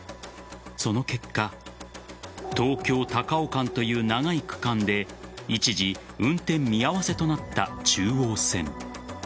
その結果東京高尾間という長い区間で一時運転見合わせとなった中央線。